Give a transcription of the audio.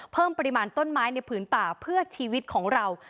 เพิ่มปริมาณต้นไม้ในผืนป่าเพื่อชีวิตของเรา